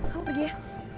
kamu pergi ya